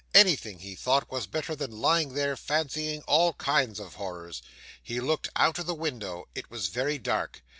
Anything, he thought, was better than lying there fancying all kinds of horrors. He looked out of the window it was very dark.